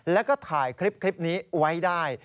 แล้วก็ถ่ายคลิปนี้ไว้ได้